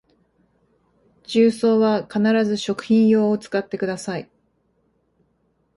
重曹は必ず食品用を使ってください